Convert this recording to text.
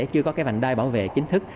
chưa có cái vạn đai bảo vệ chính thức